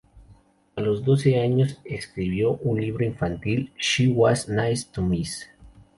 A los doce años, escribió un libro infantil, "She Was Nice to Mice".